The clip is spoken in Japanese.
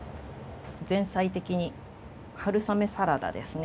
前菜的に春雨サラダですね